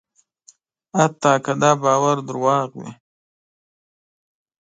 حتی که دا باور دروغ وي.